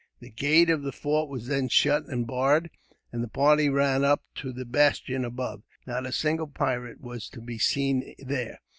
The gate of the fort was then shut and barred, and the party ran up to the bastion above. Not a single pirate was to be seen there.